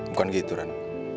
bukan gitu ran